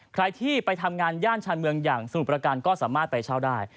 ใครที่ไปทำงานย่านชาญเมืองอย่างสมุทรประการก็สามารถไปเช่าได้